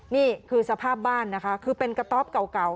นี่คือสภาพบ้านนะคะคือเป็นกระต๊อบเก่า